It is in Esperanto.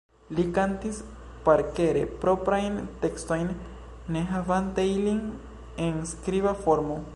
Li kantis parkere proprajn tekstojn, ne havante ilin en skriba formo.